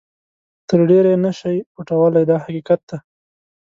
تر ډېره یې نه شئ پټولای دا حقیقت دی.